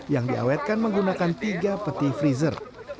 yang diawetkan menggunakan tiga peti freezer